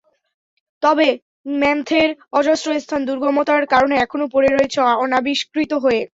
তবে ম্যামথের অজস্র স্থান দুর্গমতার কারণে এখনো পড়ে রয়েছে অনাবিষ্কৃত হয়ে।